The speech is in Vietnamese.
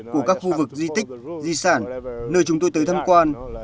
của các khu vực di tích di sản nơi chúng tôi tới thăm quan